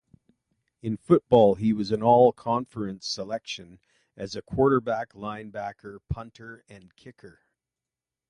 In football, he was an All-Conference selection as a quarterback, linebacker, punter, and kicker.